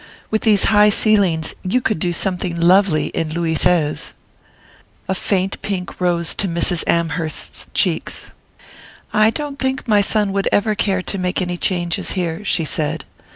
With these high ceilings you could do something lovely in Louis Seize." A faint pink rose to Mrs. Amherst's cheeks. "I don't think my son would ever care to make any changes here," she said.